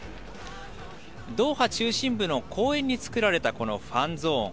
ドーハ中心部の公園に作られたこのファンゾーン。